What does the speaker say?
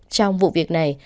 trong vụ việc này